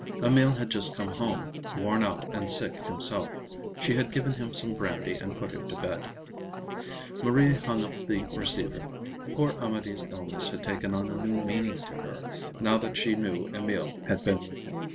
Emil had just come home, worn out and sick himself. She had given him some brandy and put him to bed. Marie hung up the receiver. Poor Amédée's illness had taken on a new meaning to her, now that she knew Emil had been with him.